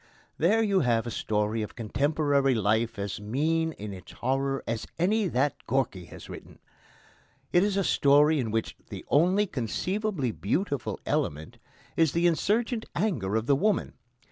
There you have a story of contemporary life as mean in its horror as any that Gorky has written. It is a story in which the only conceivably beautiful element is the insurgent anger of the woman.